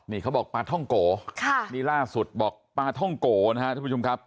นี่เขาบอกปลาท่องโกค่ะนี่ล่าสุดบอกปลาท่องโกนะครับท่านผู้ชมครับ